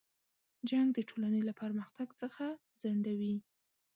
جنګ د ټولنې له پرمختګ څخه ځنډوي.